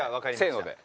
せーので。